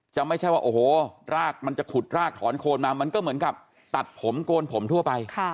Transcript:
ไม่ใช่ว่าโอ้โหรากมันจะขุดรากถอนโคนมามันก็เหมือนกับตัดผมโกนผมทั่วไป